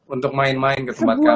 untuk main main ke tempat kami